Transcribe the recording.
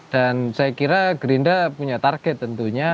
dan saya kira gerindra punya target tentunya